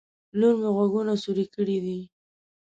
لور مې غوږونه سوروي کړي دي